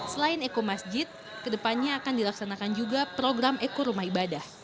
selain eko masjid kedepannya akan dilaksanakan juga program eko rumah ibadah